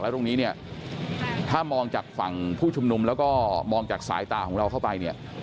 แล้วตรงนี้ถ้ามองจากฝั่งผู้ชมนุมแล้วก็มองจากสายตาของเราเข้าไป